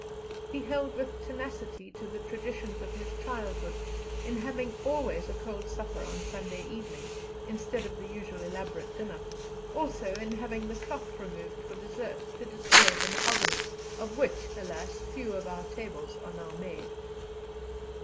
He held with tenacity to the traditions of his childhood in having always a cold supper on Sunday evenings, instead of the usual elaborate dinner, also in having the cloth removed for dessert, to display the mahogany, of which, alas! few of our tables are now made.